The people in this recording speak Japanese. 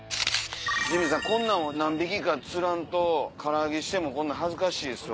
ジミーさんこんなんを何匹か釣らんと唐揚げしてもこんなん恥ずかしいですわ。